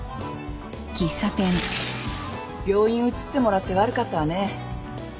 病院移ってもらって悪かったわね。